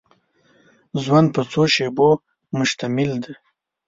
ژوند په څو شېبو مشتمل دی.